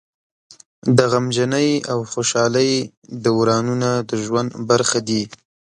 د غمجنۍ او خوشحالۍ دورانونه د ژوند برخه دي.